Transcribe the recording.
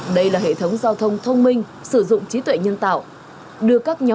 đây là hệ thống giao thông thông minh sử dụng trí tuệ nhân tạo